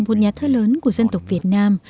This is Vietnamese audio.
một nhà thơ lớn của dân tộc việt nam